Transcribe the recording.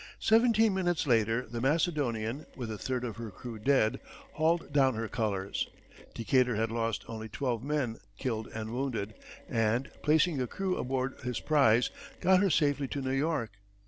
Seventeen minutes later, the Macedonian, with a third of her crew dead, hauled down her colors. Decatur had lost only twelve men killed and wounded, and placing a crew aboard his prize, got her safely to New York.